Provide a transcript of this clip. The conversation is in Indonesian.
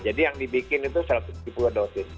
jadi yang dibikin itu satu ratus tujuh puluh dosis